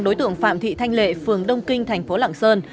đối tượng phạm thị thanh lệ phường đông kinh thành phố lạng sơn